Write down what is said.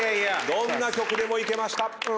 どんな曲でもいけました。